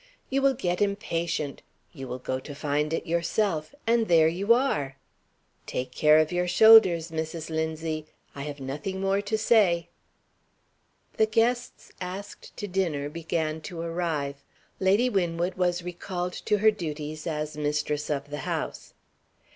You will get impatient you will go to find it yourself and there you are. Take care of your shoulders, Mrs. Linzie! I have nothing more to say." The guests asked to dinner began to arrive. Lady Winwood was recalled to her duties as mistress of the house.